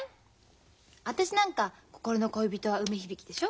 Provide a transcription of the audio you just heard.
私なんか心の恋人は梅響でしょ